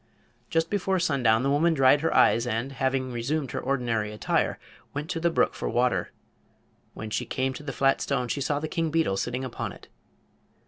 Just before sundown the woman dried her eyes and, having resumed her ordinary attire, went to the brook for water. When she came to the flat stone she saw the King Beetle sitting upon it.